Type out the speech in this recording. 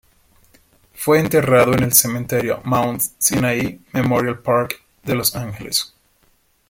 Fue enterrado en el Cementerio Mount Sinai Memorial Park de Los Ángeles.